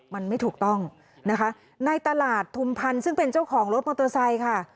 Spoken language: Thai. มันไม่ถูกต้องนะคะในตลาดทุมพันธ์ซึ่งเป็นเจ้าของรถมอเตอร์ไซค์ค่ะ